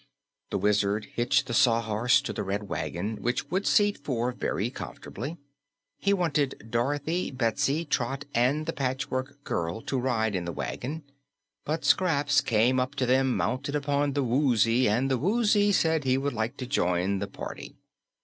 The Wizard hitched the Sawhorse to the Red Wagon, which would seat four very comfortably. He wanted Dorothy, Betsy, Trot and the Patchwork Girl to ride in the wagon, but Scraps came up to them mounted upon the Woozy, and the Woozy said he would like to join the party.